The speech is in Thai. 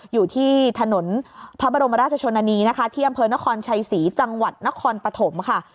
อยู่ที่ถนนพระบรมราชชนนานีนะคะที่อำเภอนครชัยศรีจังหวัดนครปฐมค่ะ